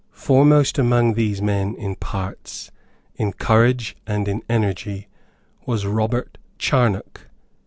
Foremost among these men in parts, in courage and in energy was Robert Charnock.